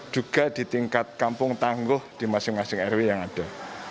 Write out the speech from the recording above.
juga di tingkat kampung tangguh di masing masing rw yang ada